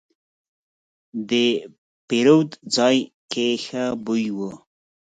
د پیرود ځای کې ښه بوی و.